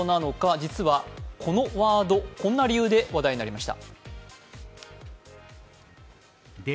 実はこのワード、こんな理由で話題になりました。